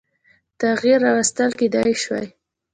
تغییر راوستل کېدلای شوای.